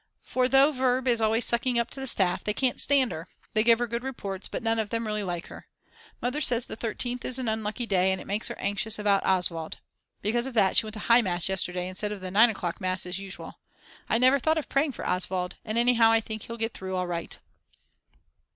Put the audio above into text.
For though Verb. is always sucking up to the staff, they can't stand her; they give her good reports, but none of them really like her. Mother says the 13th is an unlucky day, and it makes her anxious about Oswald. Because of that she went to High Mass yesterday instead of the 9 o'clock Mass as usual. I never thought of praying for Oswald, and anyhow I think he'll get through all right.